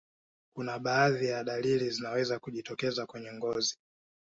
kuna baadhi ya dalili zinaweza kujitokeza kwenye ngozi